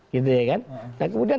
gitu ya kan nah kemudian